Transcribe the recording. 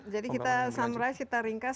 jadi kita summarize kita ringkas